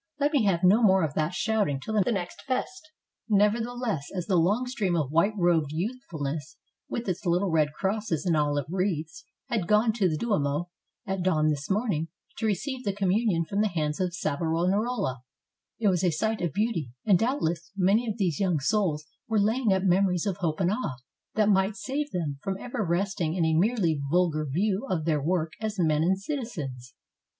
Let me have no more of that shouting till the next Festa." Nevertheless, as the long stream of white robed youth fulness, with its little red crosses and olive wreaths, had gone to the Duomo at dawn this morning to receive the communion from the hands of Savonarola, it was a sight of beauty; and, doubtless, many of those young souls were laying up memories of hope and awe that might save them from ever resting in a merely vulgar view of their work as men and citizens.